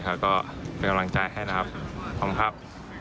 แล้วก็เป็นกำลังใจให้นะครับขอบคุณครับ